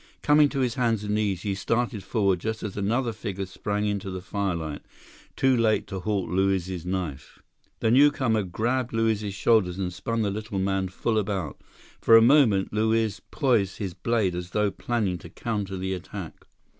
Coming to his hands and knees, he started forward just as another figure sprang into the firelight, too late to halt Luiz's knife. The newcomer grabbed Luiz's shoulders and spun the little man full about. For a moment, Luiz poised his blade as though planning to counter the attack.